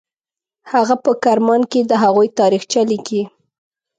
هغه په کرمان کې د هغوی تاریخچه لیکي.